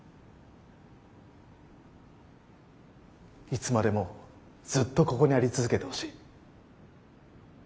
いつまでもずっとここにあり続けてほしい。